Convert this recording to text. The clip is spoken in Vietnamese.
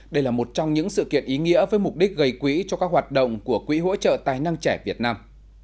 đây là một trong những sự kiện ý nghĩa với mục đích gây quỹ cho các hoạt động của quỹ hỗ trợ tài năng trẻ việt nam